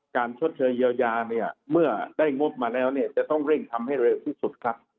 ชดเชยเยียวยาเนี่ยเมื่อได้งบมาแล้วเนี่ยจะต้องเร่งทำให้เร็วที่สุดครับ